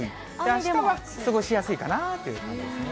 あしたは過ごしやすいかなという感じですね。